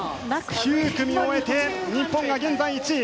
９組終えて、日本が現在１位！